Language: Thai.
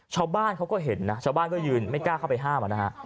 ชาวบ้านเขาก็เห็นนะชาวบ้านก็ยืนไม่กล้าเข้าไปห้ามนะฮะ